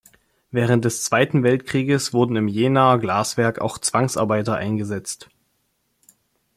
Während des Zweiten Weltkrieges wurden im Jenaer Glaswerk auch Zwangsarbeiter eingesetzt.